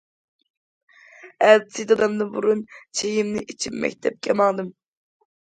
ئەتىسى دادامدىن بۇرۇن چېيىمنى ئىچىپ مەكتەپكە ماڭدىم.